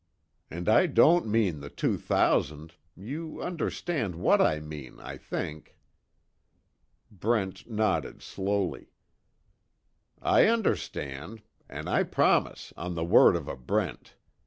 And I don't mean the two thousand you understand what I mean, I think." Brent nodded, slowly: "I understand. And I promise on the word of a Brent.